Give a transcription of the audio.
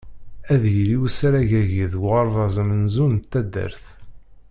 Ad yili usarag-agi deg uɣerbaz amenzu n taddart.